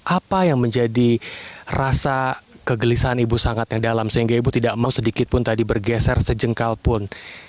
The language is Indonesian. apa yang menjadi rasa kegelisahan ibu sangat yang dalam sehingga ibu tidak mau sedikit pun tadi bergeser sejengkal pun